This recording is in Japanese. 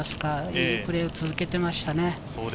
いいプレーを続けていましたね。